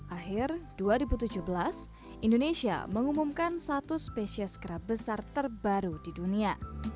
akhir dua ribu tujuh belas indonesia mengumumkan satu spesies kera besar terbaru di dunia